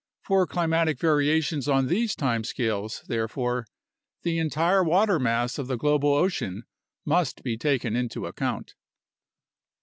For climatic variations on these time scales, therefore, the entire water mass of the global ocean must be taken into account.